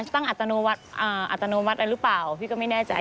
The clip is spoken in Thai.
ตั้งอัตโนมัติอะไรหรือเปล่าพี่ก็ไม่แน่ใจ